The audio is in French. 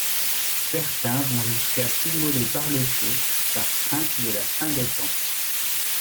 Certains vont jusqu'à s'immoler par le feu, par crainte de la fin des temps.